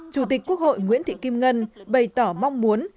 chủ tịch quốc hội nguyễn thị kim ngân bày tỏ mong muốn